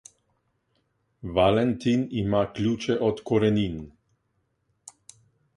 Valentin ima ključe od korenin.